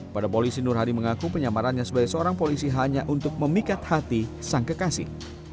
pada polisi nur hadi mengaku penyamarannya sebagai seorang polisi hanya untuk memikat hati sang kekasih